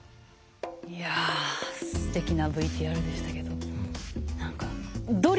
いやすてきなＶＴＲでしたけど。